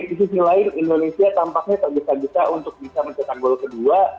di sisi lain indonesia tampaknya tergesa gesa untuk bisa mencetak gol kedua